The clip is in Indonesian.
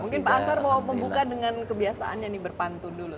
mungkin pak aksar mau membuka dengan kebiasaannya nih berpantu dulu